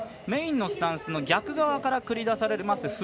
メインのスタンスの逆側から繰り出されます